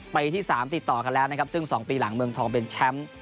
ปีที่๓ติดต่อกันแล้วนะครับซึ่ง๒ปีหลังเมืองทองเป็นแชมป์